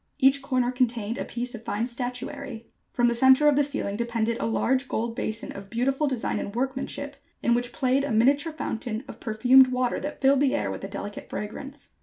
Each corner contained a piece of fine statuary. From the centre of the ceiling depended a large gold basin of beautiful design and workmanship, in which played a miniature fountain of perfumed water that filled the air with a delicate fragrance.